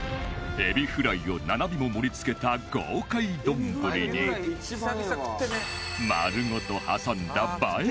エビフライを７尾も盛り付けた豪快丼に丸ごと挟んだ映え